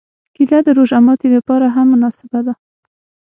کېله د روژه ماتي لپاره هم مناسبه ده.